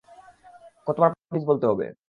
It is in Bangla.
কতবার প্লিজ বলতে হবে?